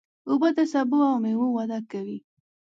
اوبه د سبو او مېوو وده کوي.